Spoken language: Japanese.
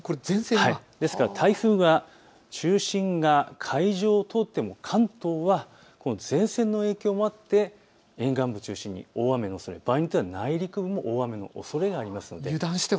台風の中心が海上を通っても関東は前線の影響もあって沿岸部中心に大雨のおそれ、場合によっては内陸も大雨のおそれがあります。